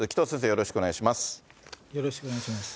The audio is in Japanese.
よろしくお願いします。